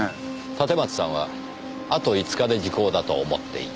立松さんはあと５日で時効だと思っていた。